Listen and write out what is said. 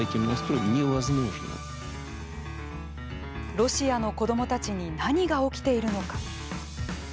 ロシアの子どもたちに何が起きているのか？